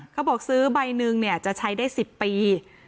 เขาบอกซื้อใบหนึ่งเนี่ยจะใช้ได้สิบปี